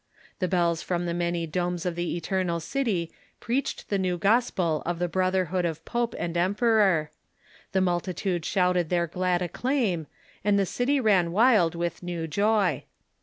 The bells from the many domes of the Eternal City preached the new gospel of the brotherhood of pope and emperor ; the multitude shouted their glad acclaim ; and the city ran wild with new joy.